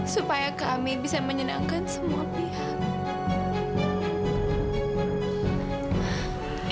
supaya kami bisa menyenangkan semua pihak